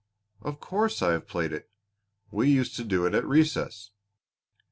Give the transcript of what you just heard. "Of course I have played it. We used to do it at recess."